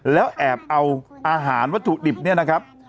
แล้วแอบเอาอาหารวัตถุดิบเนี่ยนะครับ